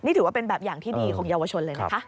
นี่ถือว่าเป็นแบบอย่างที่ดีของเยาวชนเลยนะคะ